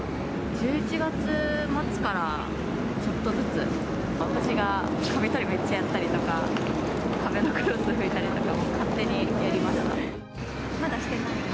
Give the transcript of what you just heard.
１１月末からちょっとずつ、私がかび取りめっちゃやったりとか、壁のクロス拭いたりとか、まだしてないです。